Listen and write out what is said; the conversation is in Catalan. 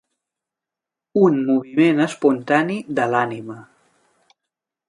Un moviment espontani de l'ànima.